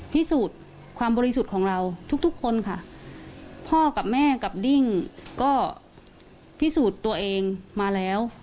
พิสูจน์ความบริสุทธิ์ของเราทุกทุกคนค่ะพ่อกับแม่กับดิ้งก็พิสูจน์ตัวเองมาแล้ว